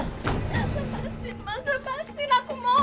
lepasin mas lepasin aku mohon